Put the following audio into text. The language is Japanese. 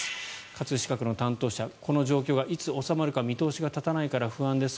葛飾区の担当者この状況がいつ収まるか見通しが立たないから不安です。